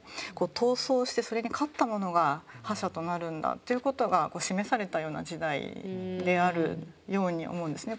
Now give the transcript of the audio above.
闘争してそれに勝った者が覇者となるんだということが示されたような時代であるように思うんですね